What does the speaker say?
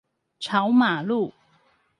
朝馬路